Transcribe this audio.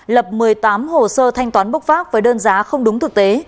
lập một mươi tám hồ sơ thanh toán bốc vác với đơn giá không đúng thực tế